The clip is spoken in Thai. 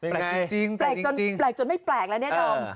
แปลกจนไม่แปลกแล้วเนี่ยน้อง